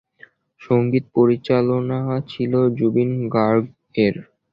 সঙ্গীত পরিচালনা ছিল জুবিন গার্গ-এর।